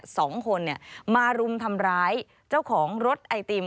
สองคนเนี่ยมารุมทำร้ายเจ้าของรถไอติม